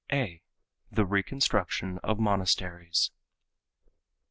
_(a) The Reconstruction of Monasteries.